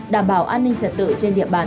đảm bảo an ninh trật tự trên địa phương